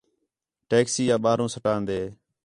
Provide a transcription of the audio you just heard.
ٹیکسی آ ٻاہروں سٹان٘دے